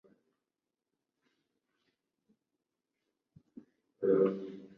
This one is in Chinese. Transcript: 机匣的大型座床表面以三根螺钉与铝合金制造的座床块连接以达到最大的稳定性。